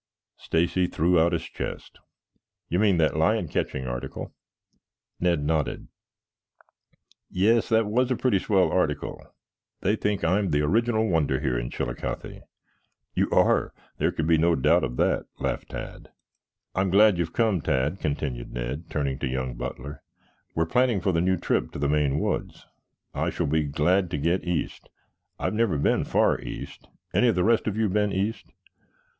Stacy threw out his chest. "You mean that lion catching article?" Ned nodded. "Yes, that was a pretty swell article. They think I'm the original wonder here in Chillicothe." "You are. There can be no doubt of that," laughed Tad. "I'm glad you've come, Tad," continued Ned, turning to young Butler. "We are planning for the new trip to the Maine Woods. I shall be glad to get east. I've never been far east. Any of the rest of you been east?"